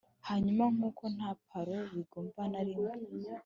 hanyuma, nkuko nta palo bigomba na rimwe,